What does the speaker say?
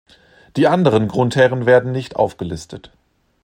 Die anderen Grundherren werden nicht aufgelistet.